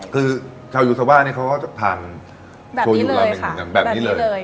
คือชาวยูซาว่านี่เขาก็จะทานโชโยคแบบนี้เลยครับ